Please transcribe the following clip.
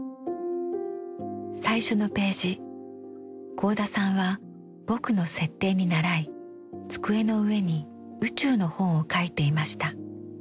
最初のページ合田さんは「ぼく」の設定にならい机の上に宇宙の本を描いていました。